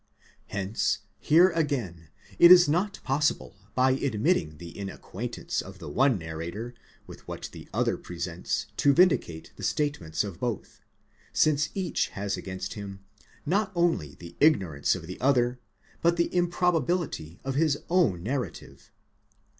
Hence here again it is not possible by admitting the inacquaintance of the one narrator with what the other presents to vindicate the statements of both ; since each has against him, not only the ignorance of the other, but the improbability of his own narrative.